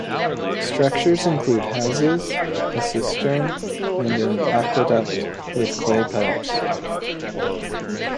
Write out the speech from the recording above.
Structures include houses, a cistern and an aqueduct with clay pipes.